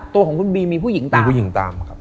ตัวของคุณบีมีผู้หญิงตาม